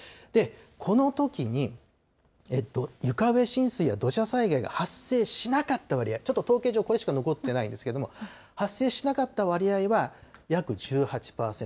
このときに、床上浸水や土砂災害が発生しなかった割合、ちょっと統計上、これしか残ってないんですけど、発生しなかった割合は約１８％。